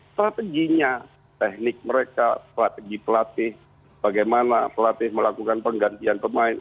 strateginya teknik mereka strategi pelatih bagaimana pelatih melakukan penggantian pemain